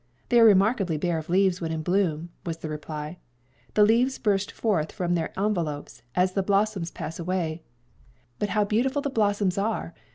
"They are remarkably bare of leaves when in bloom," was the reply: "the leaves burst forth from their envelopes as the blossoms pass away; but how beautiful the blossoms are!